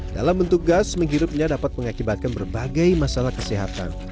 dalam bentuk gas menghirupnya dapat mengakibatkan berbagai masalah kesehatan